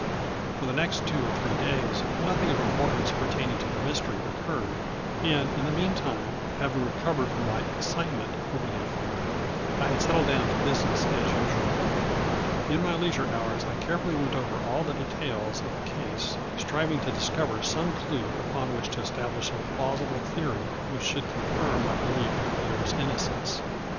For the next two or three days nothing of importance pertaining to the mystery occurred, and, in the meantime, having recovered from my excitement over the affair, I had settled down to business as usual. In my leisure hours I carefully went over all the details of the case, striving to discover some clue upon which to establish a plausible theory which should confirm my belief in Pierre's in nocence.